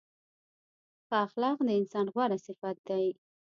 ښه اخلاق د انسان غوره صفت دی.